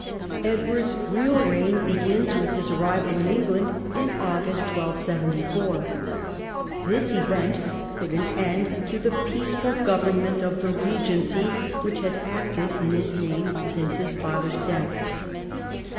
Edward's real reign begins with his arrival in England in August 1274. This event put an end to the peaceful government of the regency which had acted in his name since his father's death.